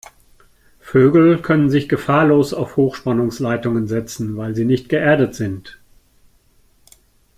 Vögel können sich gefahrlos auf Hochspannungsleitungen setzen, weil sie nicht geerdet sind.